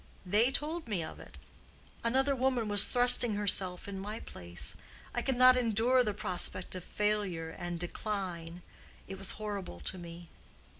They told me of it. Another woman was thrusting herself in my place. I could not endure the prospect of failure and decline. It was horrible to me."